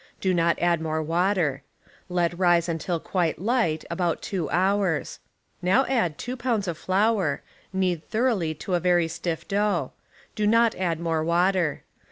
Do not add more water. Let rise until quite light, about two hours. Now add two pounds of flour, knead thoroughly to a very stiff dough. Do not add more water.